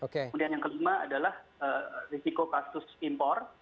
kemudian yang kelima adalah risiko kasus impor